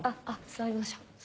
座りましょう。